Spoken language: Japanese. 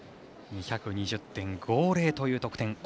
２２０．５０という得点。